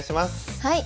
はい。